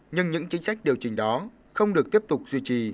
nhưng những chính sách điều chỉnh đó không được tiếp tục duy trì